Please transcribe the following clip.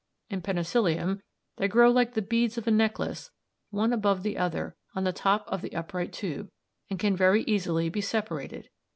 In Penicillium they grow like the beads of a necklace one above the other on the top of the upright tube, and can very easily be separated (see Fig.